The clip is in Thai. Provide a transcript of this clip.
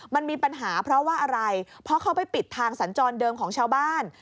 มันมีปัญหาเพราะว่าอะไรเพราะเขาไปปิดทางสัญจรเดิมของชาวบ้าน